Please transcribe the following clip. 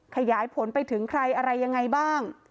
ขยายผลไปถึงใครอะไรยังไงบ้าง